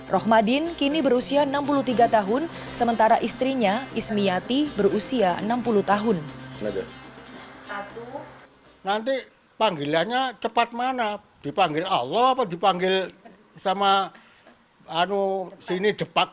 rohmadin kini berusia enam puluh tiga tahun sementara istrinya ismiati berusia enam puluh tahun